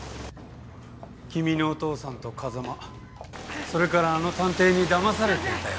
君のお父さんと風真それからあの探偵にだまされていたよ。